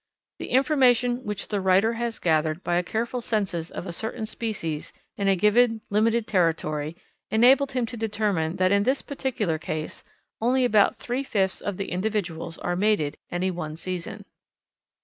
The information which the writer has gathered by a careful census of a certain species in a given limited territory enabled him to determine that in this particular case only about three fifths of the individuals are mated any one season.